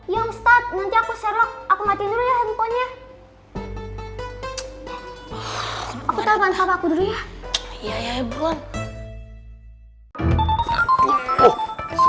yang setan nanti aku serok aku mati dulu ya handphonenya aku telepon sama aku dulu ya